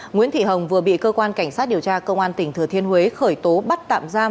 nguyễn thị hồng vừa bị cơ quan cảnh sát điều tra công an tỉnh thừa thiên huế khởi tố bắt tạm giam